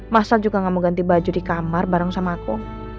mas al juga nggak mau ganti baju di kamar bareng sama aku